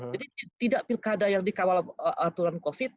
jadi tidak pilkada yang dikawal aturan covid sembilan belas